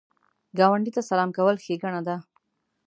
ګاونډي ته سلام کول ښېګڼه ده